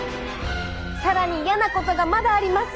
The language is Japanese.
さらにイヤなことがまだあります！